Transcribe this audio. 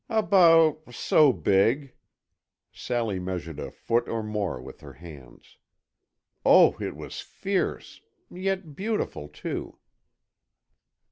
"About so big." Sally measured a foot or more with her hands. "Oh, it was fierce! Yet beautiful, too."